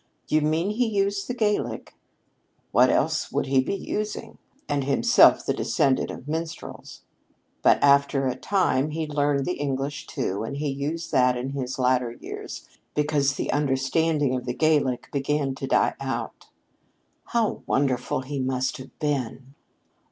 "You mean he used the Gaelic?" "What else would he be using, and himself the descendant of minstrels? But after a time he learned the English, too, and he used that in his latter years because the understanding of the Gaelic began to die out." "How wonderful he must have been!"